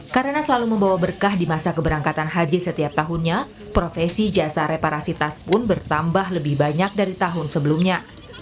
karena selalu membawa berkah di masa keberangkatan haji setiap tahunnya profesi jasa reparasi tas pun bertambah lebih banyak dari tahun sebelumnya